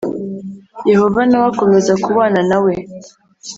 Yehova na we akomeza kubana na we